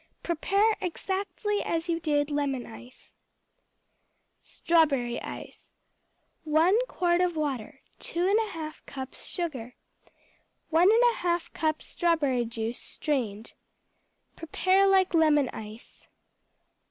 Prepare exactly as you did lemon ice. Strawberry Ice 1 quart of water. 2 1/2 cups sugar. 1 1/2 cups strawberry juice, strained. Prepare like lemon ice.